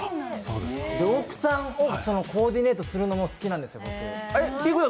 奥さんをコーディネートするのも好きなんですよ、僕。